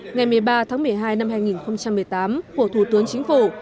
ngày một mươi ba tháng một mươi hai năm hai nghìn một mươi tám của thủ tướng chính phủ